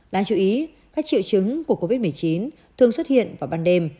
đáng chú ý các triệu chứng của covid một mươi chín thường xuất hiện vào ban đêm